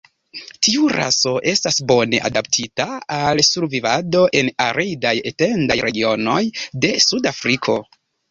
Tiu raso estas bone adaptita al survivado en aridaj etendaj regionoj de Suda Afriko.